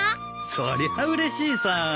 そりゃうれしいさ。